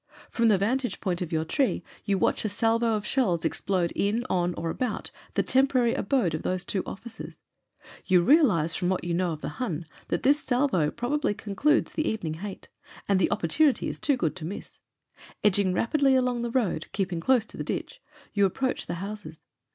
From the vantage point of your tree you watch a salvo of shells explode in, on, or about the temporary abode of those two officers. You realise f rcrni what you know of the Hun that this salvo prob ably concludes the evening hate; and the opportunity is too good to miss. Edging rapidly along the road — keeping dose to the ditch — ^you approach the houses.